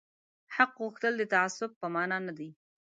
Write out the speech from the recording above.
حق غوښتل د تعصب په مانا نه دي